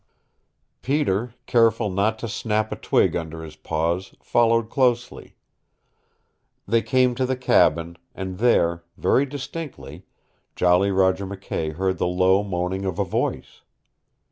Peter, careful not to snap a twig under his paws, followed closely. They came to the cabin, and there very distinctly Jolly Roger McKay heard the low moaning of a voice.